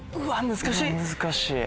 難しい。